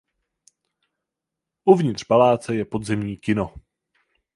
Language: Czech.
Odtud vedly valy chránící spolu s příkopem hrad.